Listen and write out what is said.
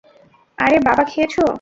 আরে বাবা খেয়েছো?